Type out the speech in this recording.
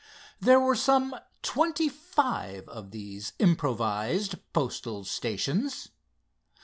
There were some twenty five of these improvised postal stations.